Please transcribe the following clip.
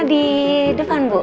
oh rena di depan bu